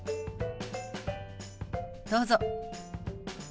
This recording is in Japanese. どうぞ。